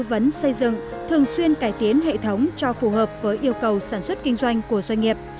tư vấn xây dựng thường xuyên cải tiến hệ thống cho phù hợp với yêu cầu sản xuất kinh doanh của doanh nghiệp